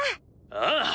ああ。